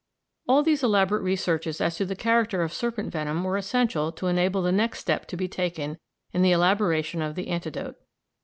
All these elaborate researches as to the character of serpent venom were essential to enable the next step to be taken in the elaboration of the antidote.